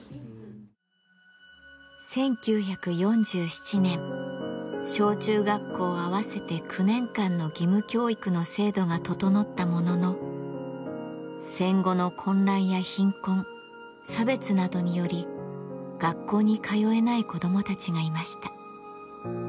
１９４７年小中学校合わせて９年間の義務教育の制度が整ったものの戦後の混乱や貧困差別などにより学校に通えない子どもたちがいました。